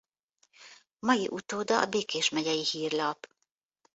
Mai utóda a Békés Megyei Hírlap.